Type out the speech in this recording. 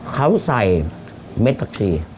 เขาใส่เม็ดผักชี